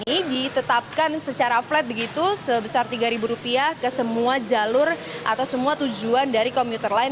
ini ditetapkan secara flat begitu sebesar rp tiga ke semua jalur atau semua tujuan dari komuter lain